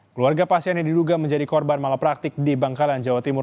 keluarga pasien yang diduga menjadi korban malah praktik di bangkalan jawa timur